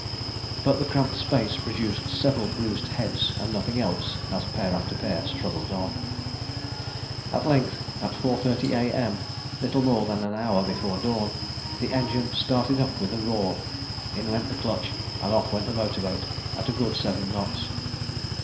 But the cramped space produced several bruised heads and nothing else as pair after pair struggled on. At length at 4.30 A.M., little more than an hour before dawn, the engine started up with a roar, in went the clutch, and off went the motor boat at a good seven knots.